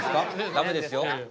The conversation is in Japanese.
ダメですよ。